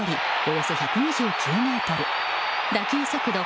およそ１２９ｍ打球速度